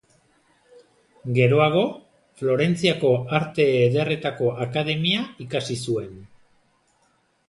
Geroago, Florentziako Arte Ederretako Akademia ikasi zuen.